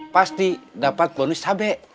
pasti dapat bonus hb